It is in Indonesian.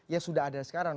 bisa ya sudah ada sekarang